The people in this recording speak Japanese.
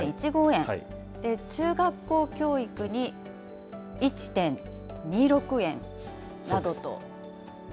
中学校教育に１．２６円などと。